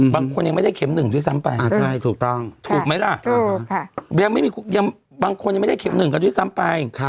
บางคนยังไม่ได้เข็ม๑ด้วยซ้ำไปถูกต้องถูกไหมล่ะบางคนยังไม่ได้เข็ม๑กันด้วยซ้ำไป